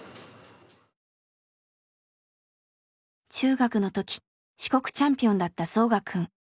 中学の時四国チャンピオンだったソウガくん。